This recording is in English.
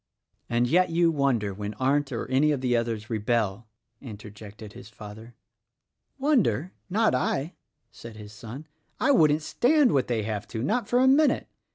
"And yet you wonder when Arndt or any of the others rebel!" interjected his father. "Wonder? Not I," said his son. "I wouldn't stand what they have to — not for a minute!